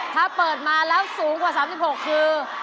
ถ้าเปิดมาแล้วสูงกว่า๓๖คือ